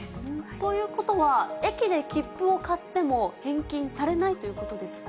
ということは、駅で切符を買っても、返金されないということですか？